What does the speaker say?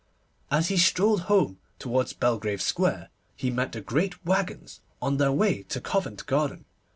As he strolled home towards Belgrave Square, he met the great waggons on their way to Covent Garden.